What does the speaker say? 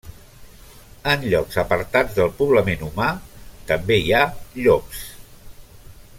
En llocs apartats del poblament humà també hi ha llops.